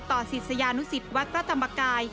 ต่อศิษยานุศิษย์วัดพระธรรมกาย